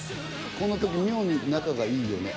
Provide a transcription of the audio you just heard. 「こんなとき妙に仲がいいよね」